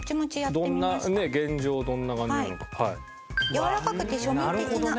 やわらかくて庶民的な。